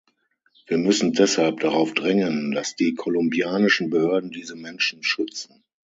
Wir müssen deshalb darauf drängen, dass die kolumbianischen Behörden diese Menschen schützen.